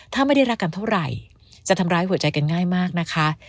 ถ้าไม่ได้รักกันเท่าไหร่จะทำร้ายหัวใจกันง่ายมากนะคะ